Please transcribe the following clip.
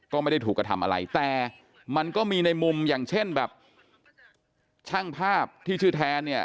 ก็ไม่ได้ถูกกระทำอะไรแต่มันก็มีในมุมอย่างเช่นแบบช่างภาพที่ชื่อแทนเนี่ย